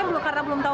saya karena belum tahu